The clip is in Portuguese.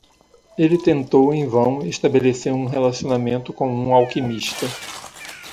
Ele tentou em vão estabelecer um relacionamento com um alquimista.